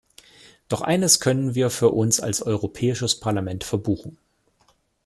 Doch eines können wir für uns als Europäsiches Parlament verbuchen.